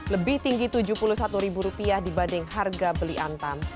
lebih tinggi tujuh puluh satu ribu rupiah dibanding harga beli antam